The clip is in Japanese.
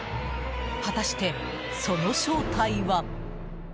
果たして、その正体は？